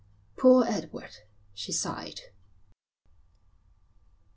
"Poor Edward," she sighed.